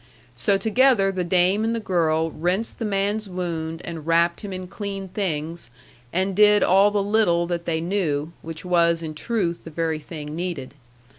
So together the dame and the girl rinsed the man's wound and wrapped him in clean things, and did all the little that they knew which was, in truth, the very thing needed.